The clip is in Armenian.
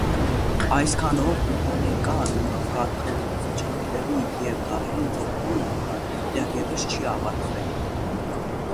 Այսքանով ընտանեկան կարգավիճակների և դերերի ձևավորումը դեռևս չի ավարտվում։